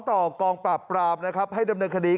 ต่อกองปราบให้ดำเนินคดี